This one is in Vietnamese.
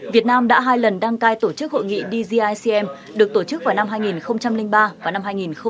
việt nam đã hai lần đăng cai tổ chức hội nghị dgicm được tổ chức vào năm hai nghìn ba và năm hai nghìn một mươi